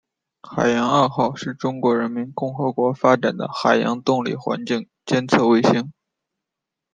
海洋二号是中华人民共和国发展的海洋动力环境监测卫星。